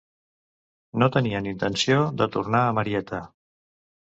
No tenien intenció de tornar a Marietta.